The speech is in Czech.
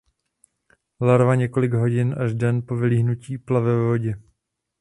Larva několik hodin až den po vylíhnutí plave ve vodě.